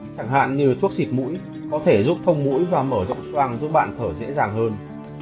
chẳng hạn như thuốc xịt mũi có thể giúp phong mũi và mở rộng khoang giúp bạn thở dễ dàng hơn